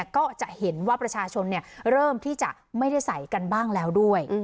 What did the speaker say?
ก็จะเห็นว่าประชาชนเริ่มที่จะไม่ได้ใส่กันบ้างแล้วด้วย